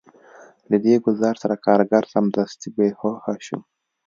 له دې ګزار سره کارګر سمدستي بې هوښه شو